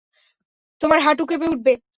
তোমার হাঁটু কেঁপে উঠবে।